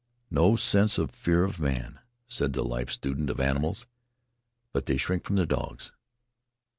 "No sense of fear of man," said the life student of animals. "But they shrink from the dogs."